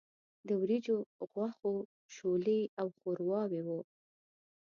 د وریجو، غوښو، شولې او ښورواوې وو.